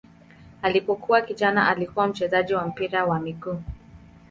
Alipokuwa kijana alikuwa mchezaji wa mpira wa miguu.